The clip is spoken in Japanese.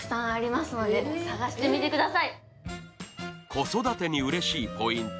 子育てにうれしいポイント